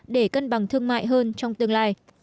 để cân bằng thương mại hơn trong tương lai